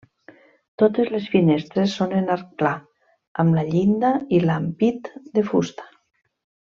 Totes les finestres són en arc pla, amb la llinda i l'ampit de fusta.